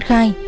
hết tháng hai